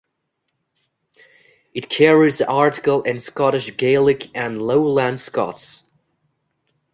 It carries articles in Scottish Gaelic and Lowland Scots.